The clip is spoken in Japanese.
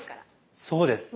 そうです